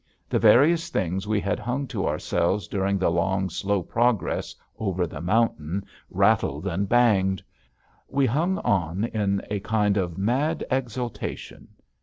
The various things we had hung to ourselves during the long, slow progress over the mountain rattled and banged. We hung on in a kind of mad exultation.